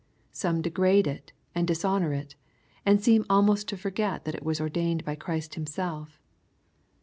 Some degrade it and dis honor it, and seem almost to forget that it was ordained by Christ Himself.